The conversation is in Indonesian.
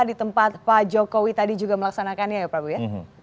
di tempat pak jokowi tadi juga melaksanakannya ya prabu ya